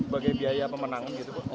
bagi biaya pemenang gitu pak